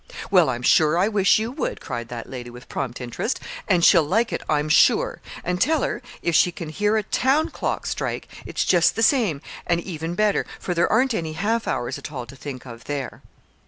"Well, I'm sure I wish you would," cried that lady, with prompt interest; "and she'll like it, I'm sure. And tell her if she can hear a town clock strike, it's just the same, and even better; for there aren't any half hours at all to think of there."